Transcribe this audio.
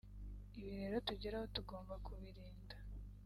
ibi rero tugeraho tugomba kubirinda